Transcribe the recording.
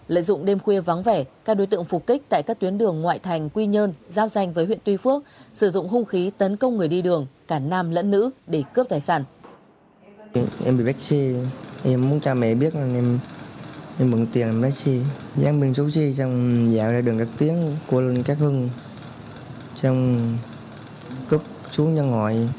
lợi dụng đêm khuya vắng vẻ các đối tượng phục kích tại các tuyến đường ngoại thành quy nhơn giao danh với huyện tuy phước sử dụng hung khí tấn công người đi đường cả nam lẫn nữ để cướp tài sản